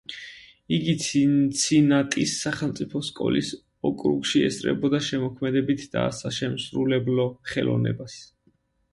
იგი ცინცინატის სახელმწიფო სკოლის ოკრუგში ესწრებოდა შემოქმედებით და საშემსრულებლო ხელოვნებას.